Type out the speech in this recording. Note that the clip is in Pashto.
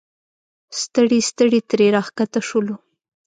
ستړي ستړي ترې راښکته شولو.